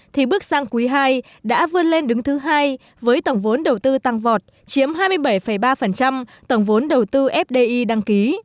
thì bước sang quý ii đã vươn lên đứng thứ hai với tổng vốn đầu tư tăng vọt chiếm hai mươi bảy ba tổng vốn đầu tư fdi đăng ký